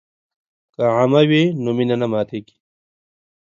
که عمه وي نو مینه نه پاتیږي.